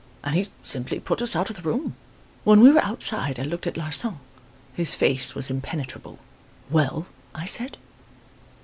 "And he simply put us out of the room. When we were outside I looked at Larsan. His face was impenetrable. "'Well?' I said.